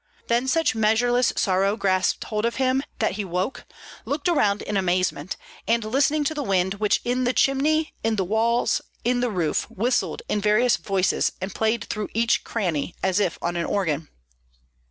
Then such measureless sorrow grasped hold of him that he woke, looked around in amazement and listening to the wind which in the chimney, in the walls, in the roof, whistled in various voices and played through each cranny, as if on an organ.